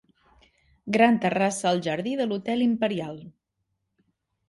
Gran terrassa al jardí de l'Hotel Imperial.